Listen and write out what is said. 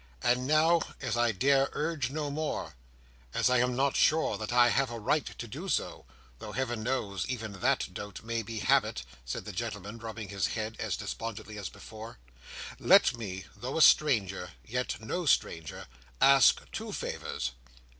And now, as I dare urge no more—as I am not sure that I have a right to do so—though Heaven knows, even that doubt may be habit," said the gentleman, rubbing his head, as despondently as before, "let me; though a stranger, yet no stranger; ask two favours."